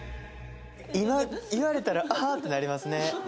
今言われたらああってなりますね。